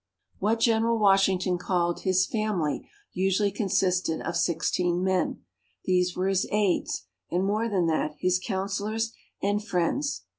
What General Washington called his "family" usually consisted of sixteen men. These were his aides, and more than that, his counselors and friends.